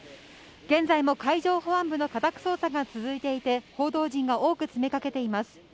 現在も海上保安部の家宅捜索が続いていて、報道陣が多く詰めかけています。